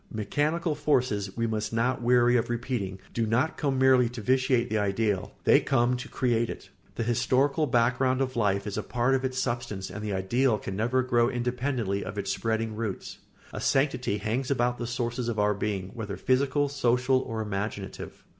] Mechanical forces, we must not weary of repeating, do not come merely to vitiate the ideal; they come to create it. The historical background of life is a part of its substance and the ideal can never grow independently of its spreading roots. A sanctity hangs about the sources of our being, whether physical, social, or imaginative.